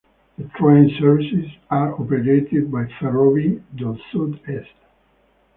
The train services are operated by Ferrovie del Sud Est.